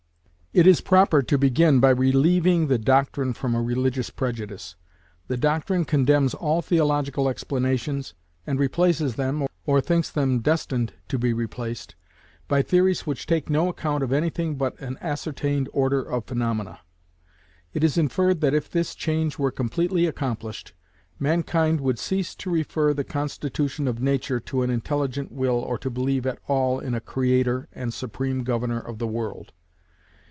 It is proper to begin by relieving the doctrine from a religious prejudice. The doctrine condemns all theological explanations, and replaces them, or thinks them destined to be replaced, by theories which take no account of anything but an ascertained order of phaenomena. It is inferred that if this change were completely accomplished, mankind would cease to refer the constitution of Nature to an intelligent will or to believe at all in a Creator and supreme Governor of the world.